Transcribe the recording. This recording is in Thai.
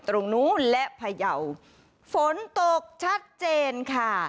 ตรงนู้นและพยาวฝนตกชัดเจนค่ะ